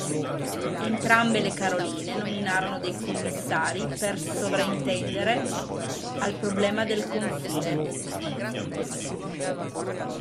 Entrambe le Caroline nominarono dei commissari per sovrintendere al problema del confine.